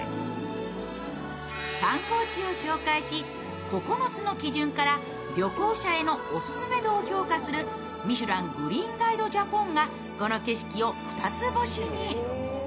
観光地を紹介し９つの基準から旅行者へのオススメ度を評価する「ミシュラン・グリーンガイド・ジャポン」がこの景色を二つ星に。